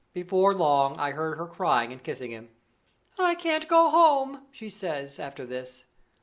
Before long I heard her crying and kissing him. 'I can't go home,' she says, after this.